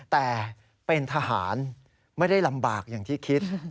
แต่เป็นทหารไม่ได้ลำบากอย่างที่คิด